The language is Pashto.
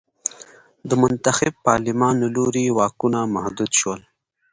د منتخب پارلمان له لوري واکونه محدود شول.